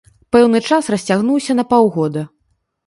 Пэўны час расцягнуўся на паўгода.